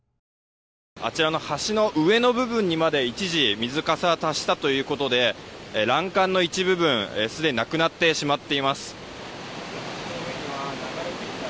あちらの橋の上の部分にまで一時、水かさが達したということで欄干の一部分がすでになくなってしまっています。